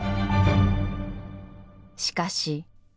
しかし。